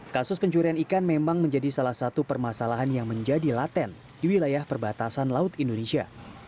kasus pencurian ikan memang menjadi salah satu permasalahan yang menjadi laten di wilayah perbatasan laut indonesia